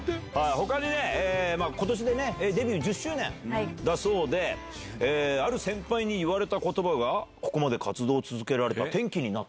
ほかにね、ことしでね、デビュー１０周年だそうで、ある先輩に言われたことばが、ここまで活動を続けられた転機に何？